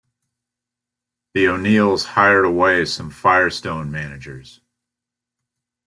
The O'Neils hired away some Firestone managers.